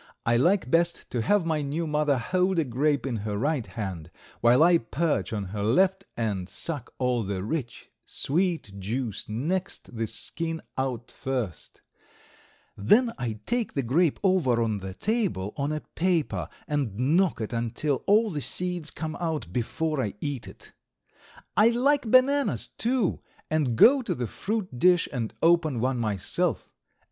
I like best to have my new mother hold a grape in her right hand while I perch on her left and suck all the rich, sweet juice next the skin out first; then I take the grape over on the table on a paper and knock it until all the seeds come out before I eat it. I like bananas, too, and go to the fruit dish and open one myself.